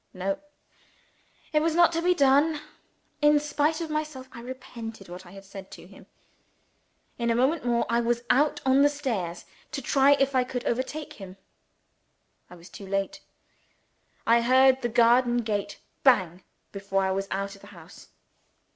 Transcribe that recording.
No! it was not to be done. In spite of myself, I repented what I had said to him. In a moment more, I was out on the stairs to try if I could overtake him. I was too late. I heard the garden gate bang, before I was out of the house.